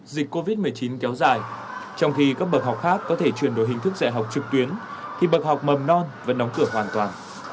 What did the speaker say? dịch covid một mươi chín kéo dài trong khi các bậc học khác có thể chuyển đổi hình thức dạy học trực tuyến thì bậc học mầm non vẫn đóng cửa hoàn toàn